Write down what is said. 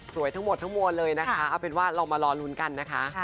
ทั้งหมดทั้งมวลเลยนะคะเอาเป็นว่าเรามารอลุ้นกันนะคะ